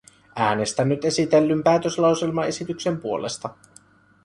Äänestän nyt esitellyn päätöslauselmaesityksen puolesta.